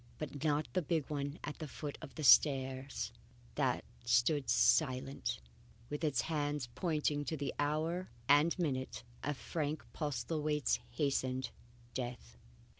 But not the big one at the foot of the stairs. That still stood silent, with its hands pointing to the hour and minute of Frank Postlethwaite's hastened death.